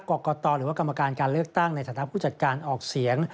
กรกตหรือว่ากรรมการการเลือกตั้งในฐานะผู้จัดการออกเสียง